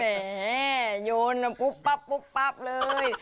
แหมโยนปุ๊บปั๊บปุ๊บปั๊บเลย